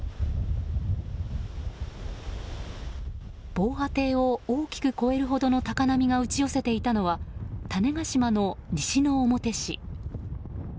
防波堤を大きく越えるほどの高波が打ち寄せていたのは種子島の西之表市。